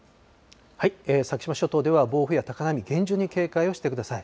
先島諸島では暴風や高波、厳重に警戒をしてください。